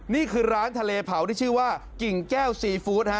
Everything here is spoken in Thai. นี่คือร้านทะเลเผาที่ชื่อว่ากิ่งแก้วซีฟู้ดฮะ